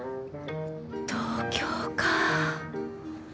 東京か。